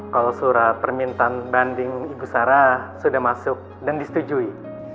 kalau surat permintaan banding ibu sarah sudah masuk dan disetujui